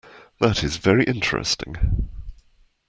That is very interesting.